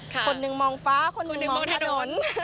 คนหนึ่งมองฟ้าคนหนึ่งมองถนน